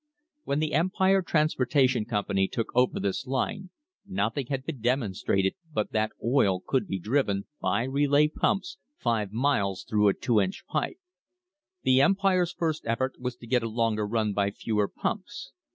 When the Empire Transportation Company took over this line nothing had been demonstrated but that oil could be driven, by relay pumps, five miles through a two inch pipe. The Empire's first effort was to get a longer run by fewer pumps.